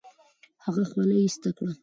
هغه خولۍ ایسته کړه.